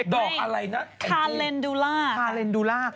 ดอกอะไรน่ะกินคราเลนดุลาค้าแลนดูลา